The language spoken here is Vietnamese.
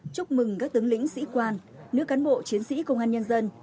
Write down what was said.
chúc mừng các tướng lĩnh sĩ quan nữ cán bộ chiến sĩ công an nhân dân